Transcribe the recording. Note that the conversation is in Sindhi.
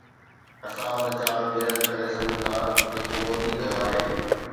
اسان ان چال کي رد ڪري سگهون ٿا جيڪو مودي ڪيو آهي.